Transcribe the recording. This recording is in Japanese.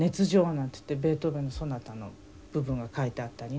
なんつってベートーベンのソナタの部分が書いてあったりね。